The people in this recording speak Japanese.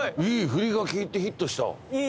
「振りがきいてヒットした」